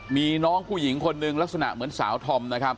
มีน้องผู้หญิงคนหนึ่งลักษณะเหมือนสาวธอมนะครับ